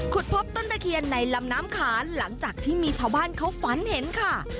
พบต้นตะเคียนในลำน้ำขานหลังจากที่มีชาวบ้านเขาฝันเห็นค่ะ